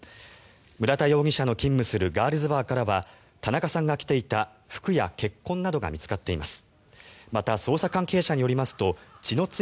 村田容疑者の勤務するガールズバーからは田中さんが着ていた服や血痕などが見つかっています。